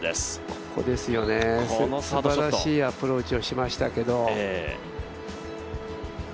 ここですよね、すばらしいアプローチをしましたけれども。